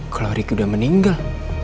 kalau ricky udah meninggal